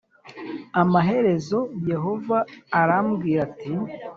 amaherezo yehova arambwira ati